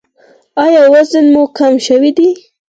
ایا وزن مو کم شوی دی؟